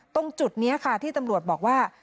ตรงจุดนี้ค่ะที่ตำรวจบอกว่า